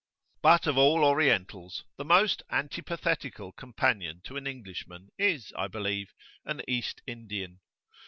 But of all Orientals, the most antipathetical companion to an Englishman is, I believe, an East Indian.